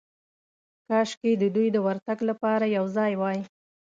کاشکې د دوی د ورتګ لپاره یو ځای وای.